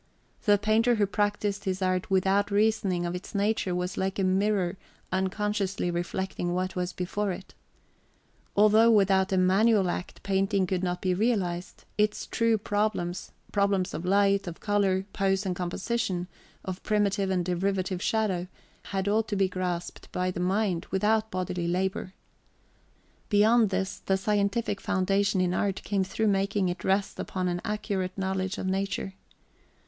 The painter who practised his art without reasoning of its nature was like a mirror unconsciously reflecting what was before it. Although without a "manual act" painting could not be realized, its true problems problems of light, of colour, pose and composition, of primitive and derivative shadow had all to be grasped by the mind without bodily labour. Beyond this, the scientific foundation in art came through making it rest upon an accurate knowledge of nature.